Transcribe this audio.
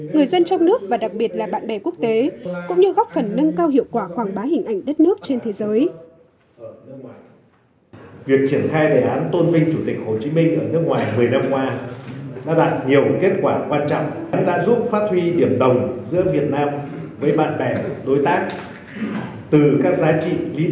người dân trong nước và đặc biệt là bạn bè quốc tế cũng như góp phần nâng cao hiệu quả khoảng bá hình ảnh đất nước trên thế giới